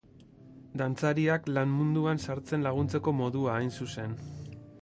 Dantzariak lan munduan sartzen laguntzeko modua hain zuzen.